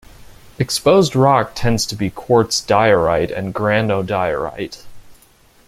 Exposed rock tends to be quartz diorite and granodiorite.